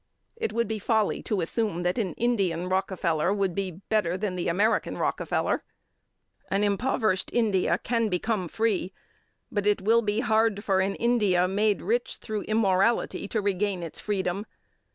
It would be folly to assume that an Indian Rockfeller would be better than the American Rockfeller. Impoverished India can become free, but it will be hard for an India, made rich through immorality, to regain its freedom.